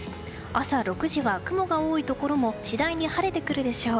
朝６時は雲が多いところも次第に晴れてくるでしょう。